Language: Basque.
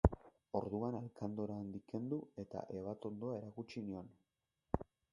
Orduan alkandora handik kendu eta ebatondoa erakutsi nion.